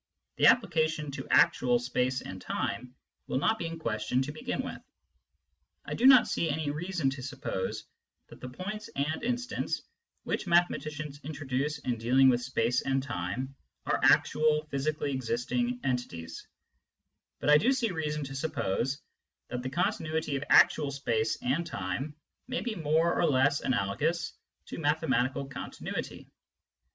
The application to actual space and time will not be in question to begin with. I do not see any reason to suppose that the points and instants which mathematicians introduce in dealing with space and time are actual physically existing entities, but 1 do see reason to suppose that the continuity of actual space and time may be more or less analogous to mathematical continuity.